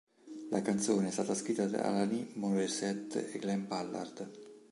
La canzone è stata scritta da Alanis Morissette e Glen Ballard.